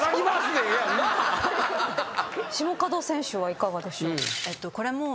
下門選手はいかがでしょう？